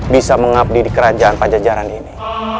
bisa mengabdi di kerajaan pajajaran ini